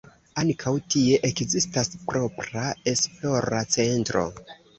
Ankaŭ tie ekzistas propra esplora centro.